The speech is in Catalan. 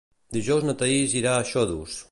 Dijous na Thaís irà a Xodos.